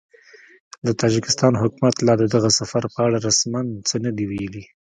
د تاجکستان حکومت لا د دغه سفر په اړه رسماً څه نه دي ویلي